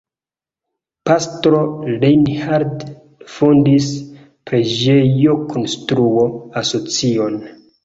Pastro Reinhardt fondis preĝejokonstruo-asocion.